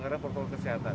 karena protokol kesehatan